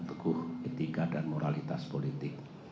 teguh etika dan moralitas politik